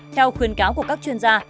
theo khuyên cáo của các chuyên gia